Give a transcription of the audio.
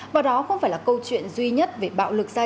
và đó không phải là câu chuyện duy nhất về bạo lực gia